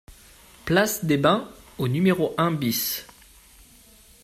Place des Bains au numéro un BIS